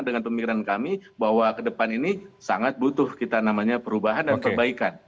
dengan pemikiran kami bahwa ke depan ini sangat butuh kita namanya perubahan dan perbaikan